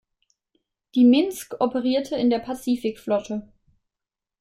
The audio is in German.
Die Minsk operierte in der Pazifikflotte.